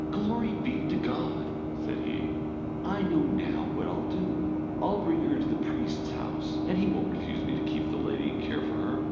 "Glory be to God," said he, "I know now what I'll do; I'll bring her to the priest's house, and he won't refuse me to keep the lady and care for her."